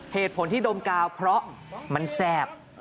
เหตุผลที่ดมกาวเพราะมันแซ่บ